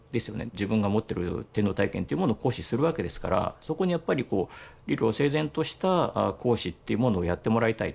自分が持ってる天皇大権というものを行使するわけですからそこにやっぱり理路整然とした行使というものをやってもらいたいと。